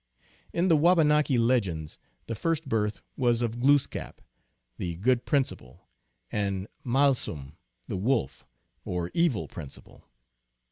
In the Wabanaki legends, the first birth was of Glooskap, the Good principle, and Malsum the Wolf, or Evil principle.